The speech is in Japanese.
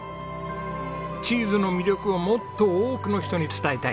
チーズの魅力をもっと多くの人に伝えたい。